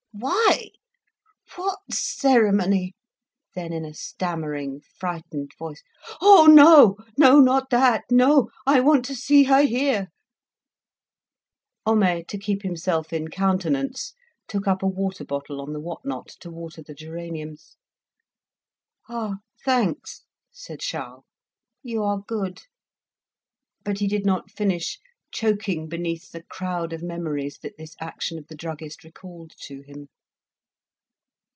"Why? What ceremony?" Then, in a stammering, frightened voice, "Oh, no! not that. No! I want to see her here." Homais, to keep himself in countenance, took up a water bottle on the whatnot to water the geraniums. "Ah! thanks," said Charles; "you are good." But he did not finish, choking beneath the crowd of memories that this action of the druggist recalled to him.